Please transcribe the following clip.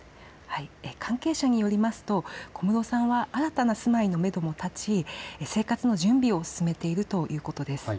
関係者によりますと小室さんは新たな住まいのめども立ち、生活の準備を進めているということです。